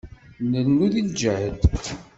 Nrennu di lǧehd.